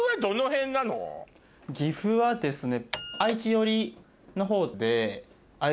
岐阜はですね。